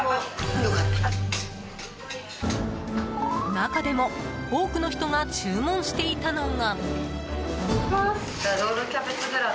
中でも多くの人が注文していたのが。